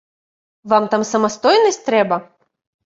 Вам там самастойнасць трэба?